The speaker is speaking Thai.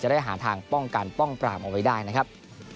ได้หาทางป้องกันป้องปรามเอาไว้ได้นะครับ